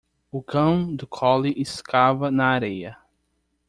O cão do Collie escava na areia.